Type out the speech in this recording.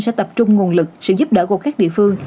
sẽ tập trung nguồn lực sự giúp đỡ của các địa phương